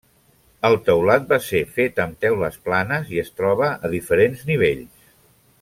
El teulat va ser fet amb teules planes i es troba a diferents nivells.